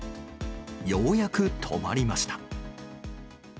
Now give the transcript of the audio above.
ようやく止まりました。